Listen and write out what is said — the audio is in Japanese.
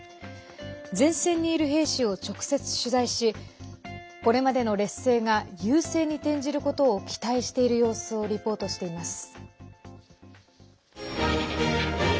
前線にいる兵士を直接取材しこれまでの劣勢が優勢に転じることを期待している様子をリポートしています。